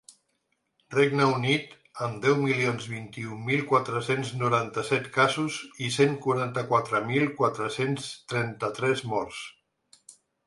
Regne Unit, amb deu milions vint-i-un mil quatre-cents noranta-set casos i cent quaranta-quatre mil quatre-cents trenta-tres morts.